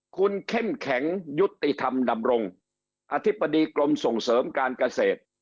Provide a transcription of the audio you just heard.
คุณเข้มแข็งยุติธรรมดำรงอธิบดีกรมส่งเสริมการเกษตร